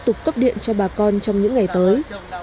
công ty sẽ cấp điện cho bà con trong những ngày tới